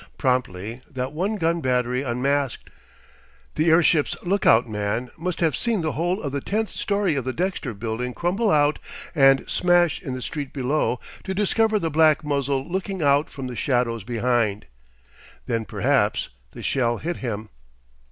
Promptly that one gun battery unmasked. The airship's look out man must have seen the whole of the tenth story of the Dexter building crumble out and smash in the street below to discover the black muzzle looking out from the shadows behind. Then perhaps the shell hit him.